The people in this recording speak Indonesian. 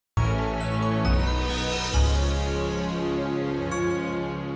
sampai jumpa di video selanjutnya